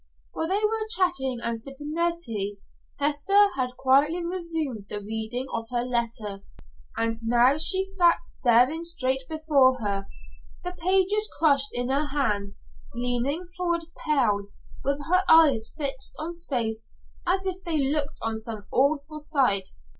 While they were chatting and sipping their tea, Hester had quietly resumed the reading of her letter, and now she sat staring straight before her, the pages crushed in her hand, leaning forward, pale, with her eyes fixed on space as if they looked on some awful sight.